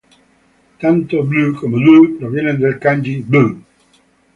Tanto せ como セ provienen del kanji 世.